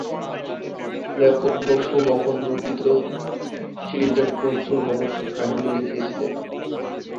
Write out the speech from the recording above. লেখক দস্যু মোহন রচিত সিরিজের প্রচুর রহস্য কাহিনী লিখেছিলেন।